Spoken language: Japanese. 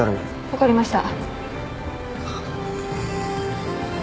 分かりました。